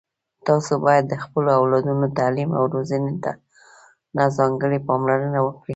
تاسو باید د خپلو اولادونو تعلیم او روزنې ته ځانګړي پاملرنه وکړئ